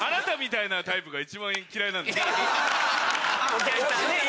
お客さんね。